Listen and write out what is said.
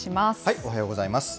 おはようございます。